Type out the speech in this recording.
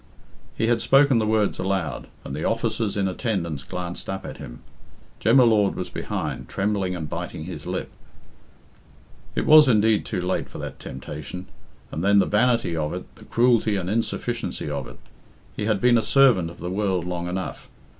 He had spoken the words aloud, and the officers in attendance glanced up at him. Jem y Lord was behind, trembling and biting his lip. It was indeed too late for that temptation. And then the vanity of it, the cruelty and insufficiency of it! He had been a servant of the world long enough.